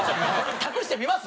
託してみます？